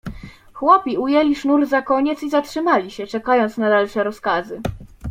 "Chłopi ujęli sznur za koniec i zatrzymali się, czekając na dalsze rozkazy."